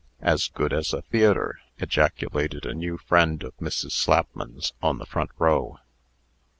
"As good as a theatre!" ejaculated a new friend of Mrs. Slapman's, on the front row.